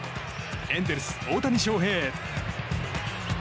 エンゼルス大谷翔平。